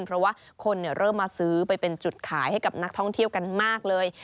เพราะว่าคนเริ่มมาซื้อไปเป็นจุดขายให้กับนักท่องเที่ยวกันมากเลย